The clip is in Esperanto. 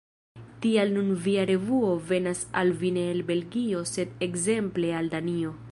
Tial nun via revuo venas al vi ne el Belgio sed ekzemple el Danio.